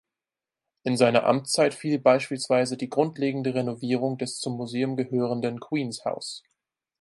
In seine Amtszeit fiel beispielsweise die grundlegende Renovierung des zum Museum gehörenden Queen’s House.